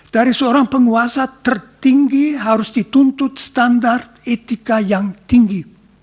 dari seorang penguasa tertinggi harus dituntut standar etika yang tinggi